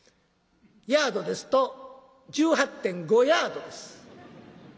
ヤードですと１８．５ヤードです。